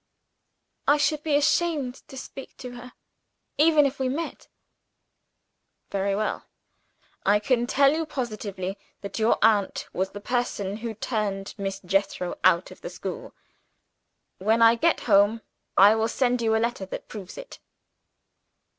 "I should be ashamed to speak to her even if we met." "Very well. I can tell you positively, that your aunt was the person who turned Miss Jethro out of the school. When I get home, I will send you a letter that proves it."